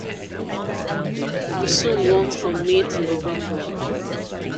Monsoon runs from May to November.